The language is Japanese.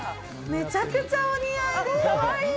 めちゃくちゃお似合いです。